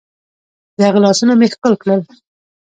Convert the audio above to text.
د هغه لاسونه مې ښکل کړل.